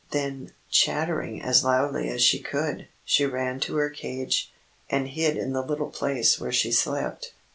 Then, chattering as loudly as she could, she ran to her cage, and hid in the little place where she slept.